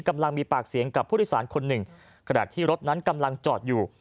กำลังมีปากเสียงกับผู้โดยสารคนหนึ่งขณะที่รถนั้นกำลังจอดอยู่